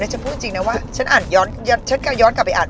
ฉันพูดจริงนะว่าฉันอ่านย้อนกลับไปอ่าน